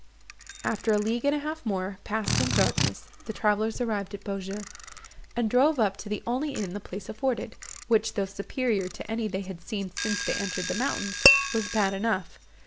After a league and a half more, passed in darkness, the travellers arrived at Beaujeu, and drove up to the only inn the place afforded; which, though superior to any they had seen since they entered the mountains, was bad enough.